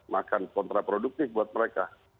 maka kontraproduktif buat mereka